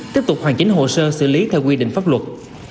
tiếp tục hoàn chính hồ sơ xử lý theo quy định pháp luật